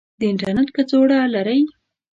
د انترنیټ کڅوړه لرئ؟